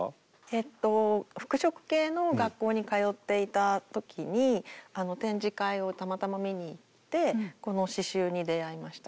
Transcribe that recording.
えっと服飾系の学校に通っていた時に展示会をたまたま見に行ってこの刺しゅうに出会いました。